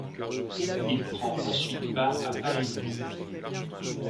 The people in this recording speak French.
Il prend ensuite part à Paris-Nice.